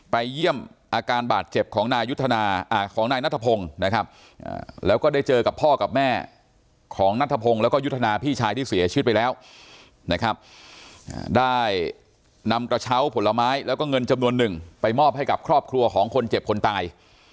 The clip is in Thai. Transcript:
เยี่ยมอาการบาดเจ็บของนายนัทพงศ์นะครับแล้วก็ได้เจอกับพ่อกับแม่ของนัทธพงศ์แล้วก็ยุทธนาพี่ชายที่เสียชีวิตไปแล้วนะครับได้นำกระเช้าผลไม้แล้วก็เงินจำนวนหนึ่งไปมอบให้กับครอบครัวของคนเจ็บคนตาย